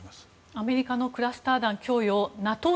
アメリカのクラスター弾供与をＮＡＴＯ